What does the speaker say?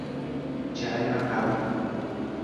Diário macabro